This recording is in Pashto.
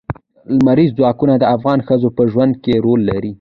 لمریز ځواک د افغان ښځو په ژوند کې رول لري.